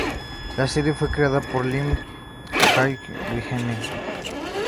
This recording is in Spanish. La serie fue creada por Lim Hwa-min.